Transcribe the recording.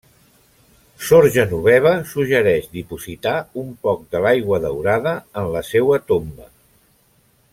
Sor Genoveva suggereix dipositar un poc de l'aigua daurada en la seua tomba.